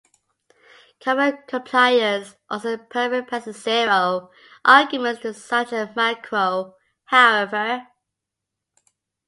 Common compilers also permit passing zero arguments to such a macro, however.